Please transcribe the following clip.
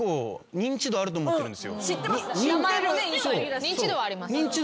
認知度はあります。